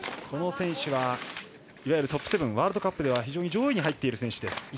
この選手はワールドカップでは非常に上位に入っている選手です。